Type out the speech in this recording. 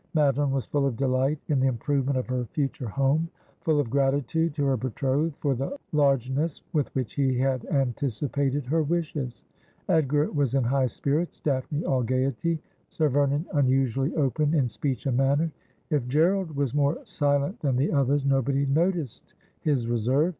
Madeline was full of delight in the improvement of her future home — full of gratitude to her betrothed for the largeness with which he had anticipated her wishes. Edgar was in high spirits ; Daphne all gaiety ; Sir Vernon unusually open in speech and manner. If G erald was more silent than the others, nobody noticed his reserve.